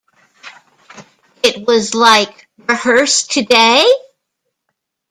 It was like 'Rehearse today?